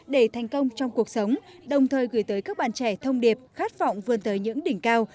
để thành công trong cuộc sống đồng thời gửi tới các bạn trẻ thông điệp khát vọng vươn tới những đỉnh cao